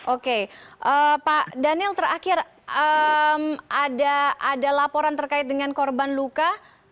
oke pak daniel terakhir ada laporan terkait dengan korban luka